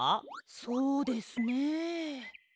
そうですね。